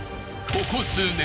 ［ここ数年］